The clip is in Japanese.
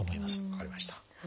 分かりました。